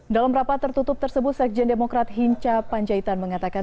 dalam rapat tertutup tersebut sekjen demokrat hinca panjaitan mengatakan